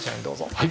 はい。